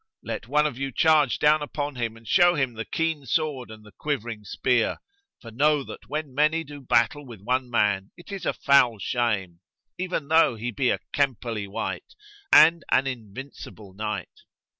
Let one of you charge down upon him and show him the keen sword and the quivering spear; for know that when many do battle with one man it is foul shame, even though he be a kemperly wight and an invincible knight."